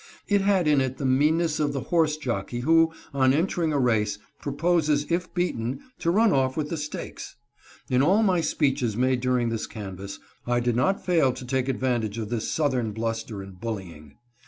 It had in it the mean ness of the horse jockey who, on entering a race, proposes, if beaten, to run off with the stakes. In all my speeches made during this canvass, I did not fail to take advan tage of this southern bluster and bullying.